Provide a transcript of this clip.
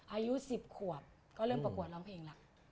อายุ๑๐ขวบก็เริ่มประกวดร้องเพลงแล้ว